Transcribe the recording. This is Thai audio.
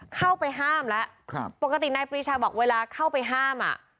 เข้าไปห้ามแล้วปกตินายปรีชาบอกเวลาเข้าไปห้ามอ่ะ